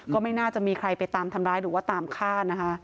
ก็ไม่น่าจะมีใครไปตามทำร้ายหรือว่าตามฆ่านะคะ